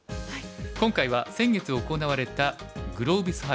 今回は先月行われたグロービス杯